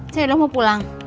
cik edo mau pulang